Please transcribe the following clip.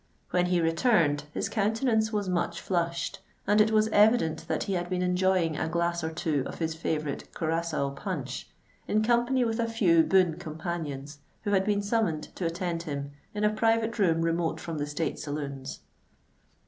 When he returned, his countenance was much flushed; and it was evident that he had been enjoying a glass or two of his favourite curaçoa punch, in company with a few boon companions, who had been summoned to attend him in a private room remote from the state saloons.